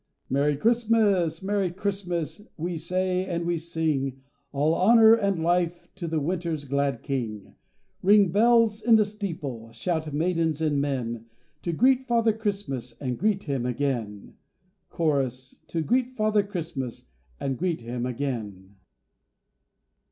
Merry Christmas! Merry Christmas! we say and we sing. All honor and life to the winter's glad king! Ring, bells in the steeple! Shout, maidens and men! To greet Father Christmas, and greet him again. Cho.—To greet Father Christmas, and greet him again.